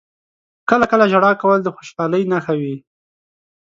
• کله کله ژړا کول د خوشحالۍ نښه وي.